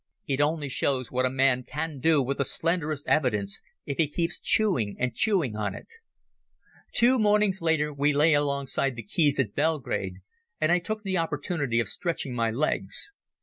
It only shows what a man can do with the slenderest evidence if he keeps chewing and chewing on it ... Two mornings later we lay alongside the quays at Belgrade, and I took the opportunity of stretching my legs.